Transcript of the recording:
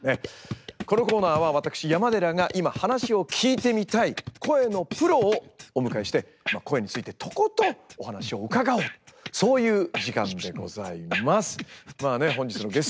このコーナーは私山寺が今話を聞いてみたい声のプロをお迎えして声についてとことんお話を伺おうとそういう時間でございます。